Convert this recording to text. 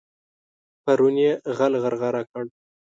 پرون يې غل غرغړه کړ.